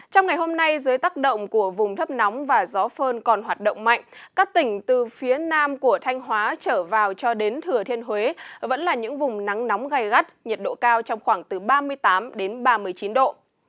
trong ngày hôm nay dưới tác động của vùng thấp nóng và gió phơn còn hoạt động mạnh các tỉnh từ phía nam của thanh hóa trở vào cho đến thừa thiên huế vẫn là những vùng nắng nóng gai gắt nhiệt độ cao trong khoảng từ ba mươi tám đến ba mươi chín độ